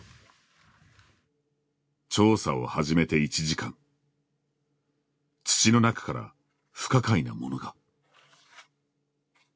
調査を始めて１時間土の中から不可解なものが。